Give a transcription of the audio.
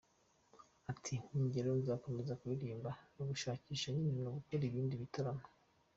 Ati “Ningerayo nzakomeza kuririmba, ni ugushakisha nyine no gukora ibindi bitaramo.